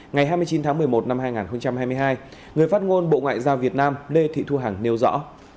ngày hai mươi chín tháng một mươi một năm hai nghìn hai mươi hai người phát ngôn bộ ngoại giao việt nam lê thị thu hằng nêu rõ